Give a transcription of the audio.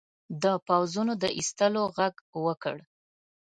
د پوځونو د ایستلو ږغ وکړ.